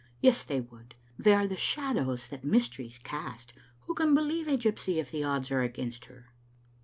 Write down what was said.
Yes, they would; they are the shadows that mysteries cast. Who can believe a gypsy if the odds are against her?"